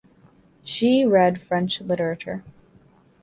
She read French literature.